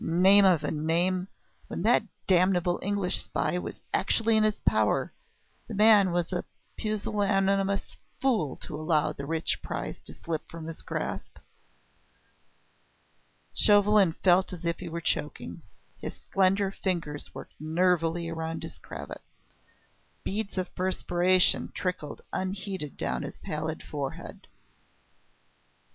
Name of a name! when that damnable English spy was actually in his power, the man was a pusillanimous fool to allow the rich prize to slip from his grasp! Chauvelin felt as if he were choking; his slender fingers worked nervily around his cravat; beads of perspiration trickled unheeded down his pallid forehead.